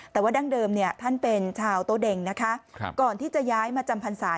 แต่ว่าดั้งเดิมเนี่ยท่านเป็นชาวโต๊เด็งนะคะก่อนที่จะย้ายมาจำพรรษา